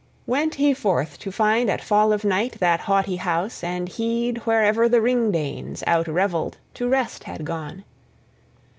II WENT he forth to find at fall of night that haughty house, and heed wherever the Ring Danes, outrevelled, to rest had gone.